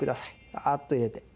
バーッと入れて。